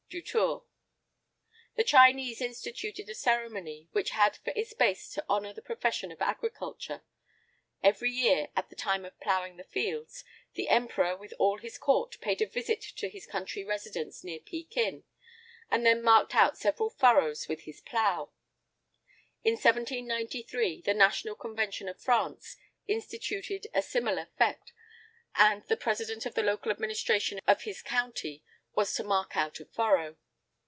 DUTOUR. The Chinese instituted a ceremony which had for its base to honour the profession of agriculture: every year, at the time of ploughing the fields, the emperor with all his court paid a visit to his country residence near Pekin, and then marked out several furrows with his plough. In 1793, the National Convention of France instituted also a similar fête; and the president of the local administration of his county was to mark out a furrow.